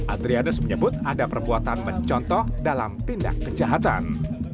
adrianus menyebut ada perbuatan mencontoh dalam tindak kejahatan